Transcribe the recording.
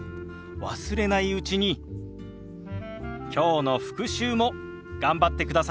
忘れないうちにきょうの復習も頑張ってくださいね。